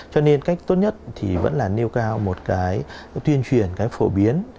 cho nên cách tốt nhất thì vẫn là nêu cao một cái tuyên truyền cái phổ biến